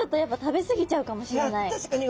確かに。